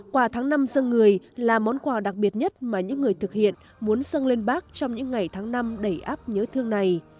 quả tháng năm dân người là món quà đặc biệt nhất mà những người thực hiện muốn dâng lên bác trong những ngày tháng năm đầy áp nhớ thương này